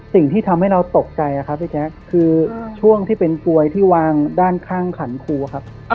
สิ่งที่ทำให้เราตกใจครับพี่แจ๊คคือช่วงที่เป็นกลวยที่วางด้านข้างขันครูครับ